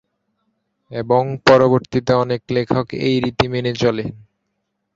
এবং পরবর্তীতে অনেক লেখক এই রীতি মেনে চলেন।